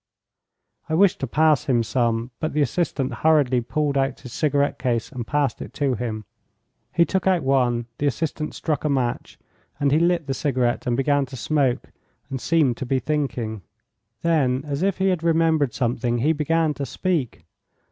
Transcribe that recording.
I wished to pass him some, but the assistant hurriedly pulled out his cigarette case and passed it to him. He took out one, the assistant struck a match, and he lit the cigarette and began to smoke and seemed to be thinking. Then, as if he had remembered something, he began to speak.